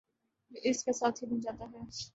جو اس کا ساتھی بن جاتا ہے